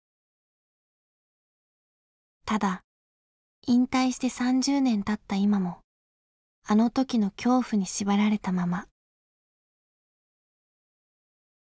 ただ引退して３０年たった今もあの時の恐怖に縛られたまま。